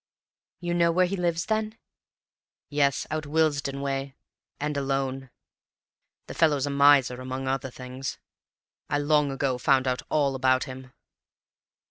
"You know where he lives, then?" "Yes, out Willesden way, and alone; the fellow's a miser among other things. I long ago found out all about him."